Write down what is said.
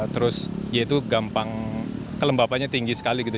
terus ya itu gampang kelembabannya tinggi sekali gitu